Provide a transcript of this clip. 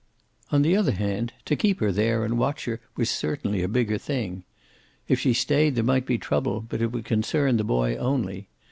On the other hand, to keep her there and watch her was certainly a bigger thing. If she stayed there might be trouble, but it would concern the boy only.